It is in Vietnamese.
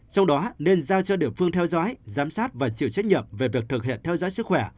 trong đó nên giao cho địa phương theo dõi giám sát và chịu trách nhiệm về việc thực hiện theo dõi sức khỏe